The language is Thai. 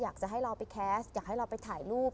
อยากจะให้เราไปแคสต์อยากให้เราไปถ่ายรูป